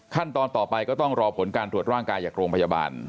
ขั้นตอนต่อไปก็ต้องรอผลการตรวจร่างกายจากโรงพยาบาล